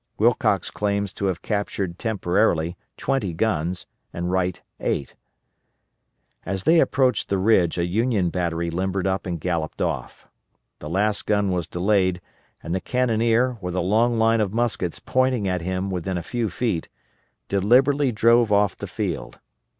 Wilcox claims to have captured temporarily twenty guns and Wright eight. As they approached the ridge a Union battery limbered up and galloped off. The last gun was delayed and the cannoneer, with a long line of muskets pointing at him within a few feet, deliberately drove off the field.